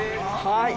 はい